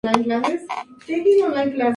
La Fundación, ubicada en la calle Garriga, num.